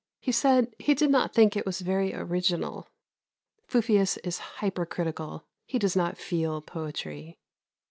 He said he did not think it was very original. Fufius is hyper critical. He does not feel poetry.